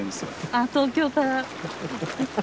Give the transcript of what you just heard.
あ東京から。